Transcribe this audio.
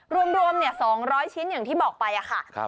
รวม๒๐๐ชิ้นอย่างที่บอกไปค่ะ